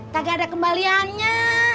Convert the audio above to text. tak ada kembaliannya